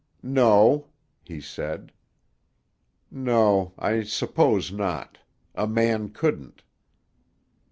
"No," he said. "No; I suppose not. A man couldn't."